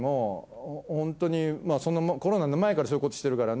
コロナの前からそういうことしてるから。